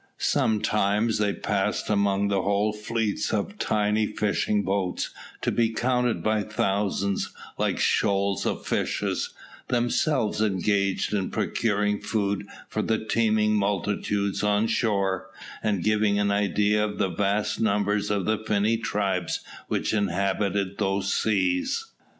Sometimes they passed among whole fleets of tiny fishing boats, to be counted by thousands, like shoals of fishes, themselves engaged in procuring food for the teeming multitudes on shore, and giving an idea of the vast numbers of the finny tribes which inhabit those seas.